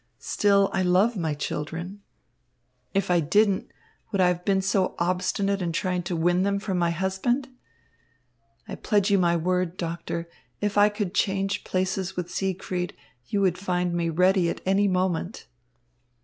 Still, I love my children. If I didn't, would I have been so obstinate in trying to win them from my husband? I pledge you my word, Doctor, if I could change places with Siegfried, you would find me ready at any moment."